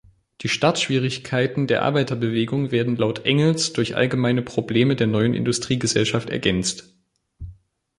Die Startschwierigkeiten der Arbeiterbewegungen werden laut Engels durch allgemeine Probleme der neuen Industriegesellschaft ergänzt.